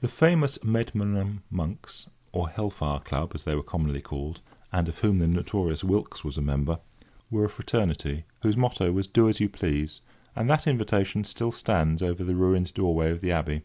The famous Medmenham monks, or "Hell Fire Club," as they were commonly called, and of whom the notorious Wilkes was a member, were a fraternity whose motto was "Do as you please," and that invitation still stands over the ruined doorway of the abbey.